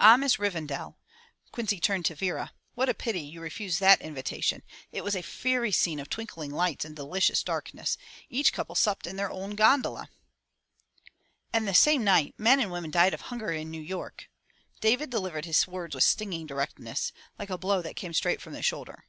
"Ah, Miss Revendal," Quincy turned to Vera. "What a pity you refused that invitation. It was a fairy scene of twinkling lights and delicious darkness. Each couple supped in their own gondola —'' "And the same night men and women died of hunger in New York!" David delivered his words with stinging 199 MY BOOKHOUSE directness, like a blow that came straight from the shoulder.